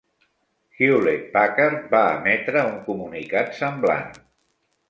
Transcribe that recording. Hewlett-Packard va emetre un comunicat semblant.